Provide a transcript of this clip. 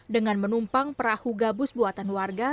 dengan menumpang perahu gabus buatan warga